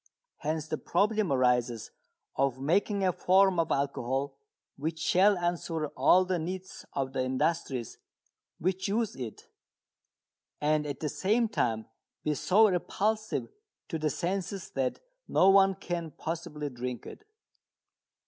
Hence the problem arises of making a form of alcohol which shall answer all the needs of the industries which use it, and at the same time be so repulsive to the senses that no one can possibly drink it.